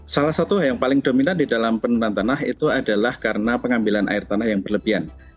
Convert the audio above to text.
salah satu yang paling dominan di dalam penurunan tanah itu adalah karena pengambilan air tanah yang berlebihan